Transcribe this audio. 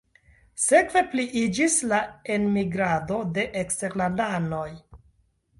Sekve pliiĝis la enmigrado de eksterlandanoj.